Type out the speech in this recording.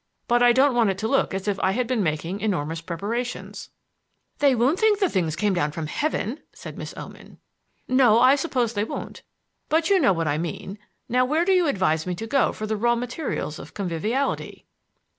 But I don't want it to look as if I had been making enormous preparations." "They won't think the things came down from heaven," said Miss Oman. "No, I suppose they won't. But you know what I mean. Now, where do you advise me to go for the raw materials of conviviality?"